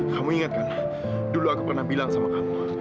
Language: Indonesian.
kamu ingatkan dulu aku pernah bilang sama kamu